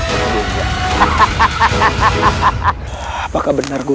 juated lu pakaian bertiga